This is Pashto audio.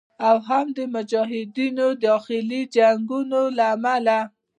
او هم د مجاهدینو د داخلي جنګونو له امله